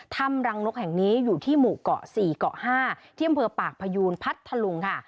ถ้ำรังนกแห่งนี้อยู่ที่หมู่เกาะ๔เกาะ๕ที่อำเภอปากพยูนพัทธลุงค่ะ